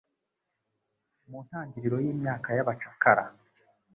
Mu ntangiriro y'imyaka ya bacakara